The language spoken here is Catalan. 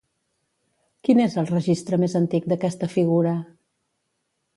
Quin és el registre més antic d'aquesta figura?